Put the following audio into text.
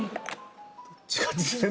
どっち？